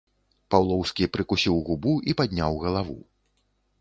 Паўлоўскі прыкусіў губу і падняў галаву.